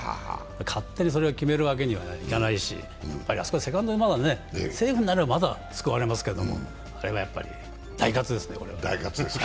勝手にそれを決めるわけにはいかないし、あそこはセカンドならばセーフなら救われますけどあれはやっぱり大喝ですね。